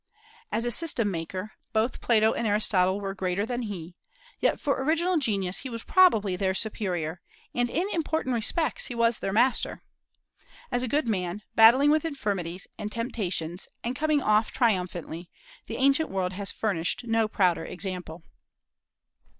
As a system maker, both Plato and Aristotle were greater than he; yet for original genius he was probably their superior, and in important respects he was their master. As a good man, battling with infirmities and temptations and coming off triumphantly, the ancient world has furnished no prouder example.